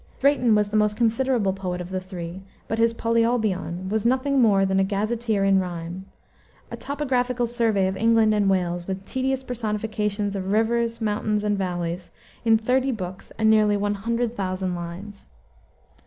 Drayton was the most considerable poet of the three, but his Polyolbion was nothing more than "a gazeteer in rime," a topographical survey of England and Wales, with tedious personifications of rivers, mountains, and valleys, in thirty books and nearly one hundred thousand lines.